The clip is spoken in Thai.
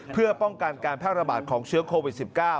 เพื่อป้องกันการแพร่ระบาดของเชื้อโควิด๑๙